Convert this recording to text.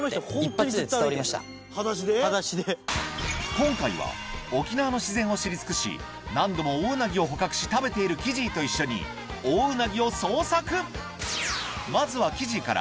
今回は沖縄の自然を知り尽くし何度もオオウナギを捕獲し食べているまずはメンソーレ沖縄ね。